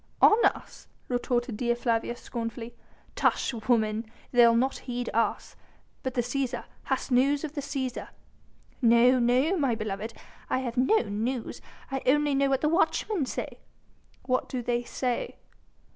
"On us!" retorted Dea Flavia scornfully. "Tush, woman! they'll not heed us.... But the Cæsar ... Hast news of the Cæsar?" "No! no! my beloved, I have no news. I only know what the watchmen say." "What do they say?"